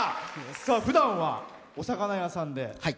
ふだんはお魚屋さんで。